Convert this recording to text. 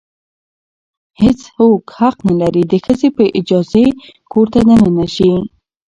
هیڅ څوک حق نه لري د ښځې په اجازې کور ته دننه شي.